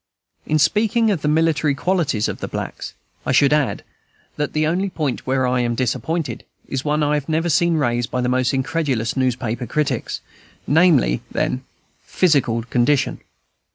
In speaking of the military qualities of the blacks, I should add, that the only point where I am disappointed is one I have never seen raised by the most incredulous newspaper critics, namely, their physical condition.